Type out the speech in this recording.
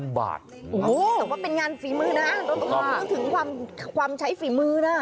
โอ้โหแต่ว่าเป็นงานฝีมือนะต้องต้องต้องนึกถึงความใช้ฝีมือนะ